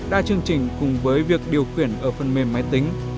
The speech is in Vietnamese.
đa chương trình cùng với việc điều khiển ở phần mềm máy tính